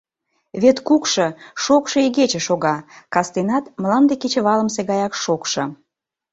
вет кукшо, шокшо игече шога, кастенат мланде кечывалымсе гаяк шокшо.